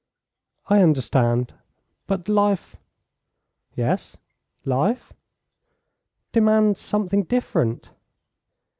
"I understand; but life " "Yes life?" "Demands something different."